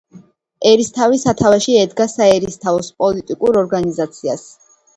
ერისთავი სათავეში ედგა საერისთავოს პოლიტიკურ ორგანიზაციას.